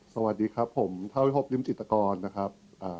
สวัสดีครับผมท้าวิธบินศิษฐกรนะครับ